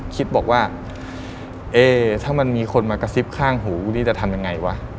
คิดบอกว่าเอ๊ถ้ามันมีคนมากระซิบข้างหูนี่จะทำยังไงวะ